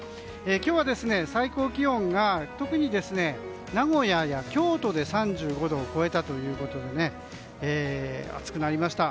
今日は最高気温が特に名古屋や京都で３５度を超えたということで暑くなりました。